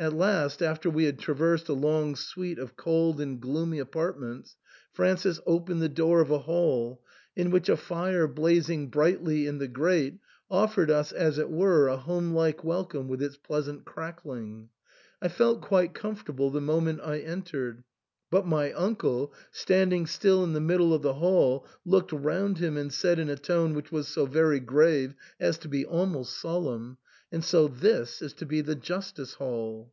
At last, after we had traversed a long suite of cold and gloomy apartments, Francis opened the door of a hall in which a fire blazing brightly in the grate offered us as it were a home like welcome with its pleasant crackling. I felt quite comfortable the moment I entered, but my uncle, standing still in the middle of the hall, looked round him and said in a tone which was so very grave as to be almost solemn, "And so this is to be the justice hall